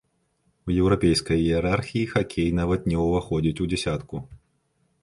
У еўрапейскай іерархіі хакей нават не ўваходзіць у дзясятку.